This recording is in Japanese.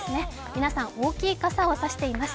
皆さん、大きい傘を差しています。